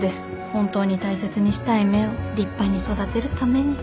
本当に大切にしたい芽を立派に育てるために。